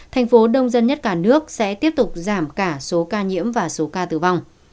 tp hcm sẽ tiếp tục giảm cả số ca nhiễm và số ca tử vong